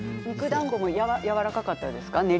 肉だんごもやわらかかったですか？